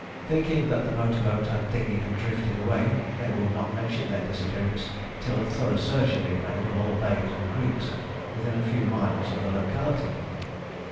Thinking that the motor boat and dinghy had drifted away, they would not mention their disappearance till a thorough search had been made of all bays and creeks within a few miles of the locality.